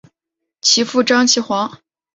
其父张其锽。